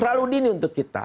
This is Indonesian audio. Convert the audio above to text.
terlalu dini untuk kita